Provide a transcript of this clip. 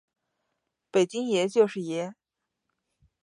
北京爷，就是爷！